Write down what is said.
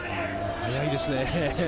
速いですね。